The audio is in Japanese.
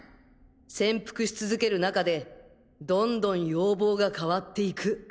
潜伏し続ける中でどんどん容貌が変わっていく。